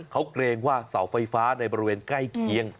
เขาเกรงว่าเสาไฟฟ้าในบริเวณใกล้เคียง